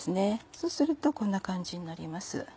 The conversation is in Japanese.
そうするとこんな感じになります。